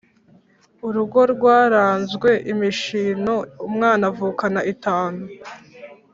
Urugo rwarazwe imishino umwana avukana itanu.